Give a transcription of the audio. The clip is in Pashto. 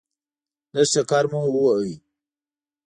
لږ چکر مو وواهه.